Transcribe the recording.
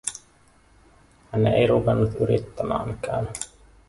Hän ei ruvennut yrittämäänkään.